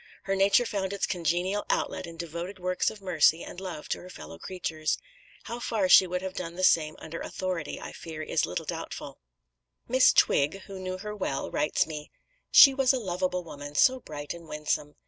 Her nature found its congenial outlet in devoted works of mercy and love to her fellow creatures. How far she would have done the same under authority, I fear is a little doubtful." Miss Twigg, who knew her well, writes me: "She was a lovable woman, so bright and winsome.